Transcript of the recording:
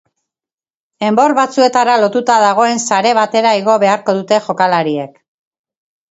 Enbor batzuetara lotuta dagoen sare batera igo beharko dute jokalariek.